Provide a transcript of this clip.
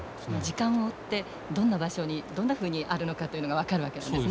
時間を追ってどんな場所にどんなふうにあるのかというのが分かるわけなんですね。